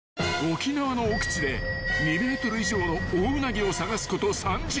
［沖縄の奥地で２ｍ以上のオオウナギを探すこと３時間］